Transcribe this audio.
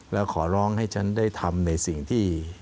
แล้วขอร้องให้ฉันได้ทำในสิ่งที่